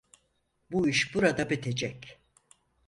Bu iş burada bitecek.